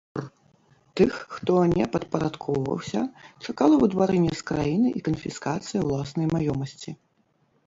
Тых, хто не падпарадкоўваўся, чакала выдварэнне з краіны і канфіскацыя ўласнай маёмасці.